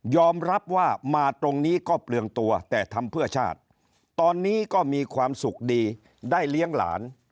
รับว่ามาตรงนี้ก็เปลืองตัวแต่ทำเพื่อชาติตอนนี้ก็มีความสุขดีได้เลี้ยงหลาน